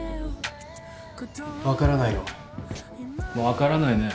分からないの？